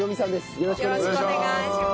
よろしくお願いします。